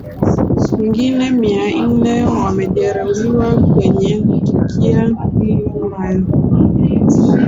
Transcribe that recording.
wengine mia nne wamejeruhiwa kwenye tukia hilo mbaya